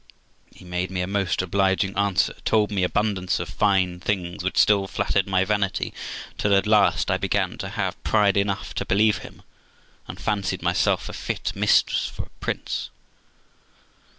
He made me a most obliging answer; told me abundance of fine things, which still flattered my vanity, till at last I began to have pride enough to believe him, and fancied myself a fit mistress for a prince.